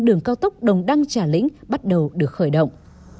đường cao tốc đồng đăng trà lĩnh bắt đầu được khởi động